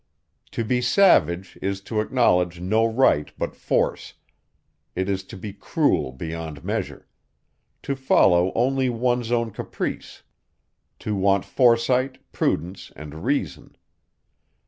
To be savage is to acknowledge no right but force; it is to be cruel beyond measure; to follow only one's own caprice; to want foresight, prudence, and reason.